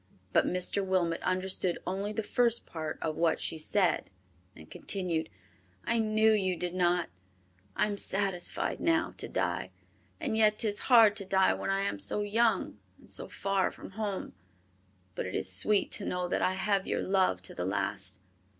But Mr. Wilmot understood only the first part of what she said, and continued, "I knew you did not, I am satisfied now to die; and yet 'tis hard to die when I am so young and so far from home, but it is sweet to know that I have your love to the last.